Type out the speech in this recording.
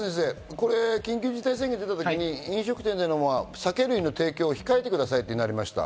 緊急事態宣言が出たとき、飲食店で酒類の提供を控えてくださいとなりました。